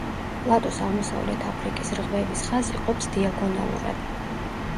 პლატოს აღმოსავლეთ აფრიკის რღვევის ხაზი ყოფს დიაგონალურად.